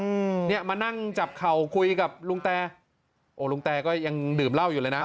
อืมเนี้ยมานั่งจับเข่าคุยกับลุงแตโอ้ลุงแตก็ยังดื่มเหล้าอยู่เลยนะ